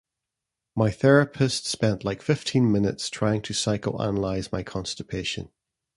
My therapist spent like fifteen minutes trying to psychoanalyze my constipation.